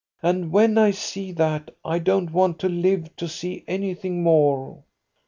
And when I see that, I don't want to live to see anything more."